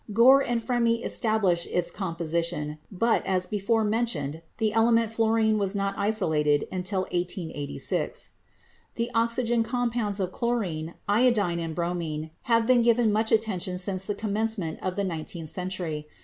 Gore and Fremy established its composition, but, as before mentioned, the element fluorine was not isolated until 1886. The oxygen compounds of chlorine, iodine and bromine have been given much attention since the commencement of the nineteenth century.